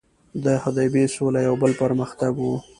د حدیبې سوله یو بل پر مختګ وو.